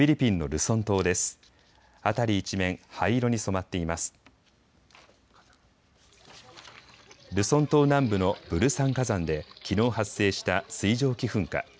ルソン島南部のブルサン火山できのう発生した水蒸気噴火。